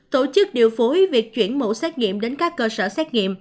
tổ chức điều phối việc chuyển mẫu xét nghiệm đến các cơ sở xét nghiệm